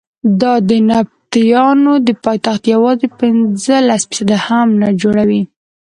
دا د نبطیانو د پایتخت یوازې پنځلس فیصده هم نه جوړوي.